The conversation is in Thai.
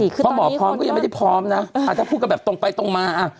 เพราะหมอพร้อมก็ยังไม่ได้พร้อมนะถ้าพูดกันแบบตรงไปตรงมา